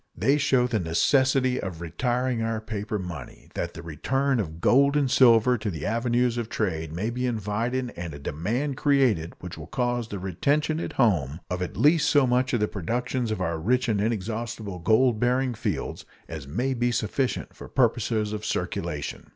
They show the necessity of retiring our paper money, that the return of gold and silver to the avenues of trade may be invited and a demand created which will cause the retention at home of at least so much of the productions of our rich and inexhaustible gold bearing fields as may be sufficient for purposes of circulation.